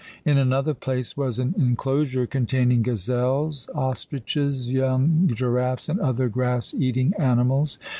In another place was an enclosure containing gazelles, ostriches, young giraffes, and other grass eating animals.